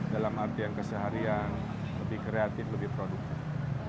dalam artian keseharian lebih kreatif lebih produktif